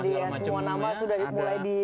segala macam tadi ya semua nama sudah mulai di